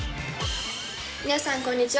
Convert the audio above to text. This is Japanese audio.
皆さんこんにちは。